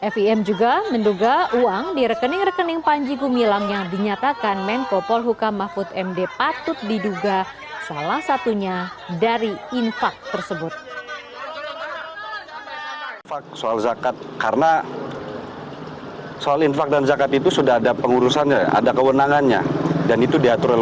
fim juga menduga uang di rekening rekening panji gumilang yang dinyatakan menko polhukam mahfud md patut diduga salah satunya dari infak tersebut